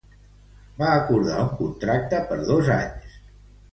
Va acordar un contracte per dos anys.